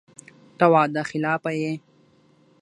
ته وعده خلافه یې !